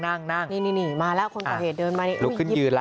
คนก่อเหตุเดินมาเลย